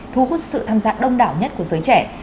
thu hút sự tham gia đông đảo nhất của giới trẻ